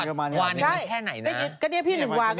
เดี๋ยวก่อนวาหนึ่งแค่ไหนนะใช่ก็เนี่ยพี่หนึ่งวางก็